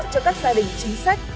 cho các gia đình chính sách